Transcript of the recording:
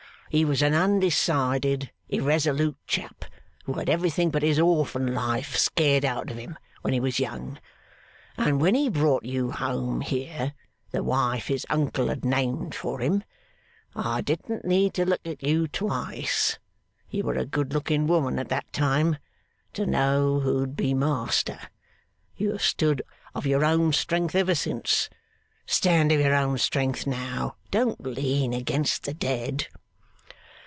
He was an undecided, irresolute chap, who had everything but his orphan life scared out of him when he was young. And when he brought you home here, the wife his uncle had named for him, I didn't need to look at you twice (you were a good looking woman at that time) to know who'd be master. You have stood of your own strength ever since. Stand of your own strength now. Don't lean against the dead.